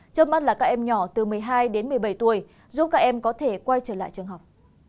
trước mắt là các em nhỏ từ một mươi hai đến một mươi bảy tuổi giúp các em có thể quay trở lại trường học